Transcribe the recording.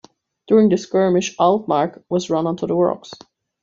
During the skirmish "Altmark" was run onto the rocks.